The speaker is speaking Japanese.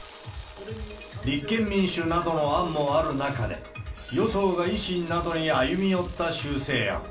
立憲民主などの案もある中で、与党が維新などに歩み寄った修正案。